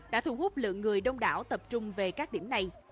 đã thu hút lượng người đông đảo tập trung về các điểm này